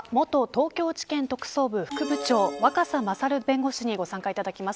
東京地検特捜部副部長若狭勝弁護士にご参加いただきます。